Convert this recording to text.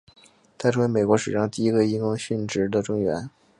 他成为美国史上第一个因公殉职的众议员。